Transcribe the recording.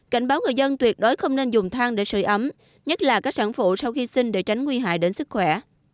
cảnh báo người dân tuyệt đối không nên dùng than để sửa ấm nhất là các sản phụ sau khi sinh để tránh nguy hại đến sức khỏe